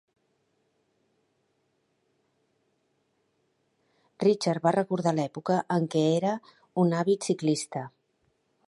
Richard va recordar l'època en què era un avid ciclista.